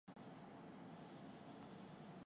دوسرے میچ میں زمبابوے کو جشن منانے کا موقع فراہم کردیا